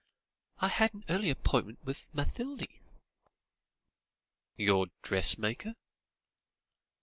I had an early appointment with Mathilde." "Your dressmaker?"